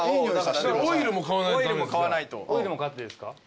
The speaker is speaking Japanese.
オイルも買ってですか？